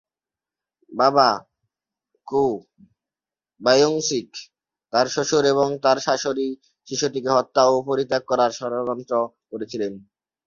বাবা Ko Byung-sik, তার শ্বশুর এবং তার শাশুড়ি শিশুটিকে হত্যা ও পরিত্যাগ করার ষড়যন্ত্র করেছিলেন।